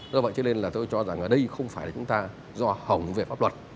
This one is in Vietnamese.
do vậy cho nên là tôi cho rằng ở đây không phải là chúng ta do hỏng về pháp luật